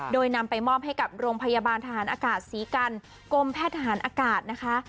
โดยนำไปมอบให้กับโรงพยาบาลทหารอากาศศรีกันกรมแพทย์ทหารอากาศนะคะ